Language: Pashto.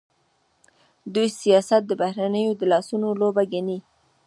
دوی سیاست د بهرنیو د لاسونو لوبه ګڼي.